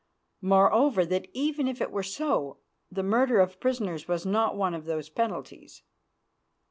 Moreover, that even if it were so, the murder of prisoners was not one of those penalties.